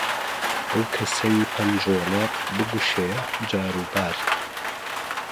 ئەو کەسەی پەنجۆڵە بکوشێ جاروبار،